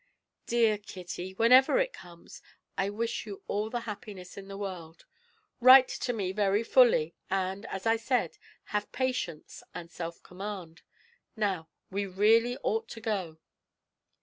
"Dear Kitty, whenever it comes, I wish you all the happiness in the world; write to me very fully, and, as I said, have patience and self command. Now we really ought to go."